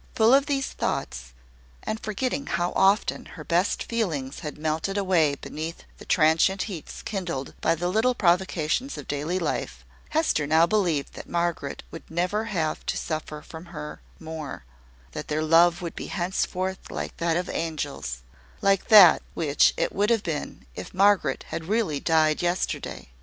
Full of these thoughts, and forgetting how often her best feelings had melted away beneath the transient heats kindled by the little provocations of daily life, Hester now believed that Margaret would never have to suffer from her more, that their love would be henceforth like that of angels, like that which it would have been if Margaret had really died yesterday.